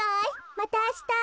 またあした。